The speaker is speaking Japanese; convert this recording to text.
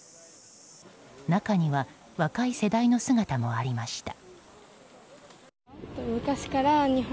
中には若い世代の姿もありました。